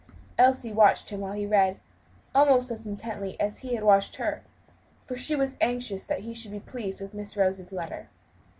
Elsie watched him while he read, almost as intently as he had watched her; for she was anxious that he should be pleased with Miss Rose's letter.